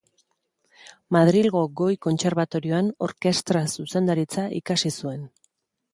Madrilgo Goi Kontserbatorioan, Orkestra Zuzendaritza ikasi zuen.